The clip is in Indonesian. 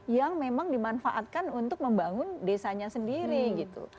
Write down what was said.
yang memang dimanfaatkan untuk membangun desanya sendiri gitu